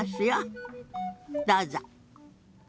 どうぞ。